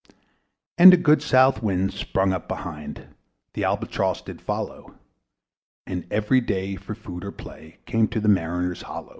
And a good south wind sprung up behind; The Albatross did follow, And every day, for food or play, Came to the mariners' hollo!